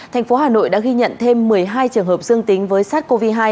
thành phố hà nội đã ghi nhận thêm một mươi hai trường hợp dương tính với sars cov hai